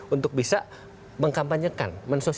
untuk bisa mengkampanyekan